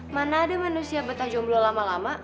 mana ada manusia betah jomblo lama lama